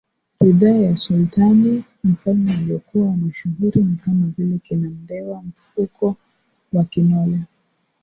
ridhaa ya Sultani MfalmeWaliokuwa mashuhuri ni kama vile kina Mndewa Fuko wa Kinole